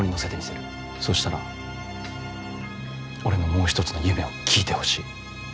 そうしたら俺のもう一つの夢を聞いてほしい。